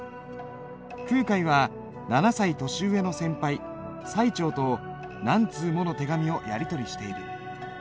空海は７歳年上の先輩最澄と何通もの手紙をやり取りしている。